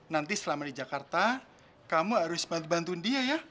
nanti selama di jakarta kamu harus bantu bantuin dia ya